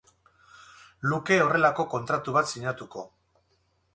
luke horrelako kontratu bat sinatuko.